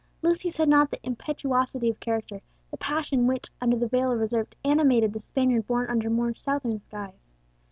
Lucius had not the impetuosity of character, the passion which, under the veil of reserve, animated the Spaniard born under more southern skies.